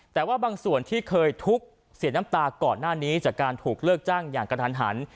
แต่ว่าบางส่วนที่เคยทุกข์เสียน้ำตาก่อนหน้านี้จากการถูกเลิกจ้างอย่างกระทันหัน